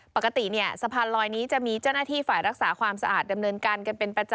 ปกติสะพานลอยนี้จะมีเจ้าหน้าที่ฝ่ายรักษาความสะอาด